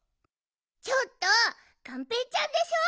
ちょっとがんぺーちゃんでしょ！